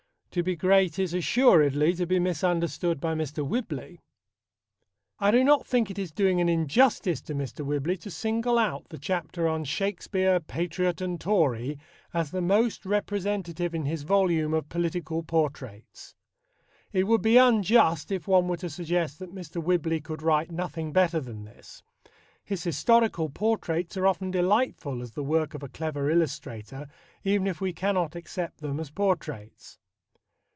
To be great is assuredly to be misunderstood by Mr. Whibley. I do not think it is doing an injustice to Mr. Whibley to single out the chapter on "Shakespeare: Patriot and Tory" as the most representative in his volume of Political Portraits. It would be unjust if one were to suggest that Mr. Whibley could write nothing better than this. His historical portraits are often delightful as the work of a clever illustrator, even if we cannot accept them as portraits.